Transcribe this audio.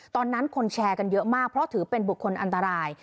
คนแชร์กันเยอะมากเพราะถือเป็นบุคคลอันตราย